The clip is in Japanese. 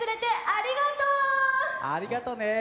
ありがとう。